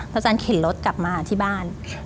เท้าจันเข็นรถกลับมาที่บ้าน